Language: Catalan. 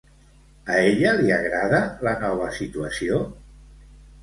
A ella li agrada la nova situació?